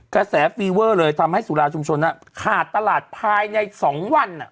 แฟเวอร์เลยทำให้สุราชุมชนขาดตลาดภายใน๒วัน